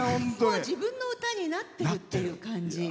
自分の歌になってるっていう感じ。